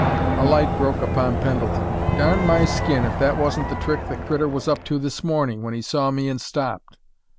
A light broke upon Pendleton. "Darn my skin, if that wasn't the trick the critter was up to this morning, when he saw me and stopped!"